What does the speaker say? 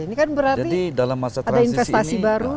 ini kan berarti ada investasi baru